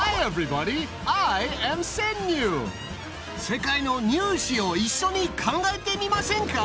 世界の入試を一緒に考えてみませんか？